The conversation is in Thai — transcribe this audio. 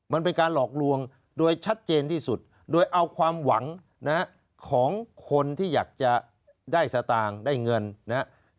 มันเป็นการหลอกลวงโดยชัดเจนที่สุดโดยเอาความหวังนะฮะของคนที่อยากจะได้สตางค์ได้เงินนะครับ